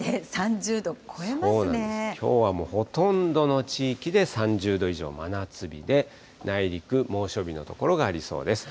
きょうはもうほとんどの地域で３０度以上、真夏日で、内陸、猛暑日の所がありそうです。